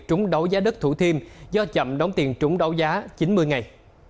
trúng đấu giá đất thủ thiêm do chậm đóng tiền trúng đấu giá chín mươi ngày